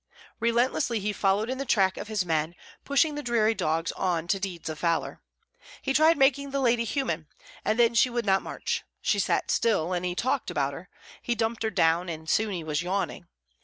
Relentlessly he followed in the track of his men, pushing the dreary dogs on to deeds of valour. He tried making the lady human, and then she would not march; she sat still, and he talked about her; he dumped her down, and soon he was yawning.